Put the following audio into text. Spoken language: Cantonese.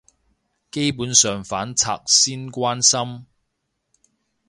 基本上反賊先關心